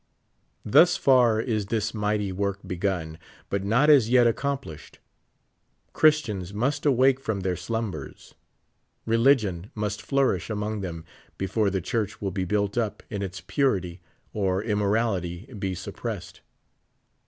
Thus far is this mighty work begun, but not as yet accomplished. Christians must awake from their slumbers. Religion must flourish among them before the church will be built up in its purity or immo rality be suppressed.